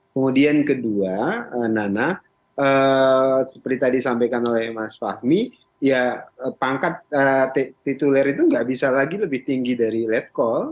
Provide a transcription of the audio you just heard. kemudian kedua nana seperti tadi disampaikan oleh mas fahmi ya pangkat tituler itu nggak bisa lagi lebih tinggi dari let call